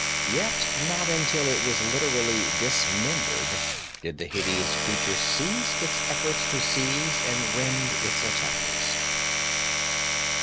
Yet not until it was literally dismembered did the hideous creature cease its efforts to seize and rend its attackers.